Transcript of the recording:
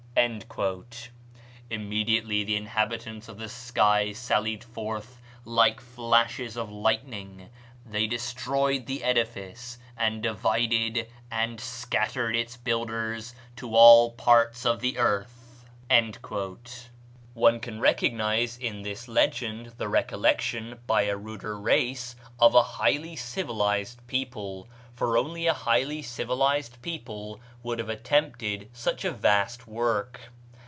Immediately the inhabitants of the sky sallied forth like flashes of lightning; they destroyed the edifice, and divided and scattered its builders to all parts of the earth." RUINS OF THE TEMPLE OF CHOLULA. One can recognize in this legend the recollection, by a ruder race, of a highly civilized people; for only a highly civilized people would have attempted such a vast work.